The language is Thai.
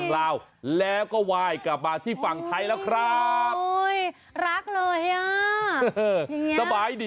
รักหน่อย